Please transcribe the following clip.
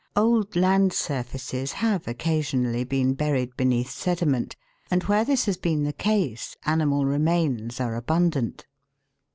Old land surfaces have occasionally been buried beneath sediment, and where this has been the 252 THE WORLD'S LUMBER ROOM. case animal remains are abundant.